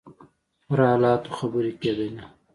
پر حالاتو خبرې کېدلې.